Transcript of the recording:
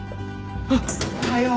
おはよう。